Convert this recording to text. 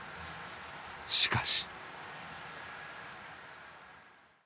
しかし。